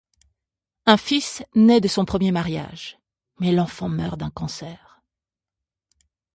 Un fils naît de son premier mariage, mais l'enfant meurt d'un cancer.